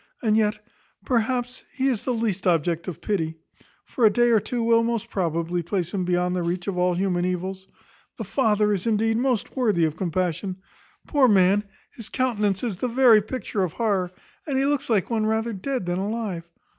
And yet, perhaps, he is least the object of pity; for a day or two will, most probably, place him beyond the reach of all human evils. The father is, indeed, most worthy of compassion. Poor man, his countenance is the very picture of horror, and he looks like one rather dead than alive.